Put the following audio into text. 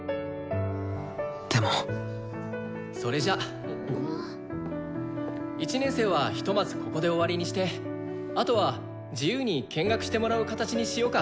でもそれじゃ１年生はひとまずここで終わりにしてあとは自由に見学してもらう形にしようか。